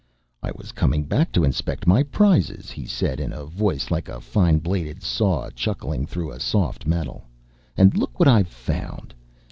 "I was coming back to inspect my prizes," he said in a voice like a fine bladed saw chuckling through soft metal. "And look what I've found."